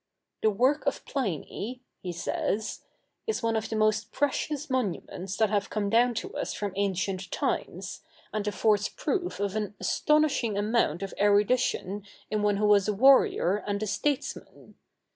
"The work of Pliny," he says, "is one of the most precious monuments that have come down to us from ancient times, and affords proof of an astonishing amount of erudition in one who was a warrior and a statesman.